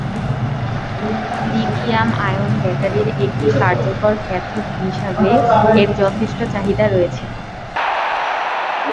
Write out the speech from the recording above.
Lithium ion ব্যাটারির একটি কার্যকর ক্যাথোড হিসাবে এর যথেষ্ট চাহিদা রয়েছে।